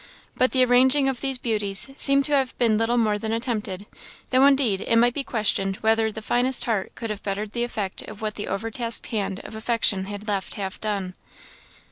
But the arranging of these beauties seemed to have been little more than attempted; though indeed it might be questioned whether the finest heart could have bettered the effect of what the overtasked hand of affection had left half done.